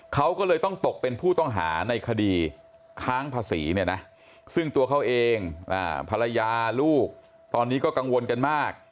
เขาก็เลยต้องตกเป็นผู้ต้องหาในคดีค้างภาษีเนี่ยนะซึ่งตัวเขาเองภรรยาลูกตอนนี้ก็กังวลกันมาก